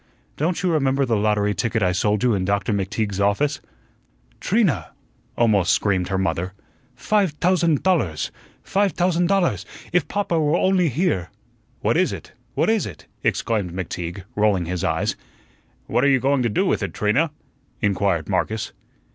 "Don't you remember the lottery ticket I sold you in Doctor McTeague's office?" "Trina!" almost screamed her mother. "Five tausend thalers! five tausend thalers! If popper were only here!" "What is it what is it?" exclaimed McTeague, rolling his eyes. "What are you going to do with it, Trina?" inquired Marcus.